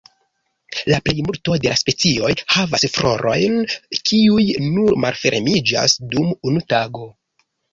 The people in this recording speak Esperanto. La plejmulto de la specioj havas florojn kiuj nur malfermiĝas dum unu tago.